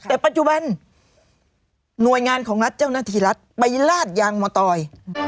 แต่ปัจจุบันหน่วยงานของรัฐเจ้าหน้าที่รัฐไปลาดยางมตอย